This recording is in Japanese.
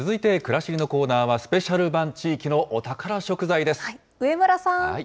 しりのコーナーは、スペシャル版、地域のお宝食材です。